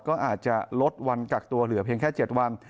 ก็อาจจะลดวันกักตัวเหลือเพียงแค่๗วัน